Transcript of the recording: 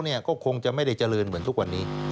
ก็คงจะไม่ได้เจริญเหมือนทุกวันนี้